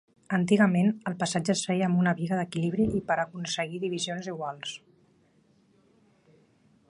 Antigament, el pesatge es feia amb una biga d'equilibri per aconseguir divisions iguals.